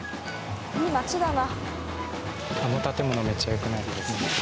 いい街だな。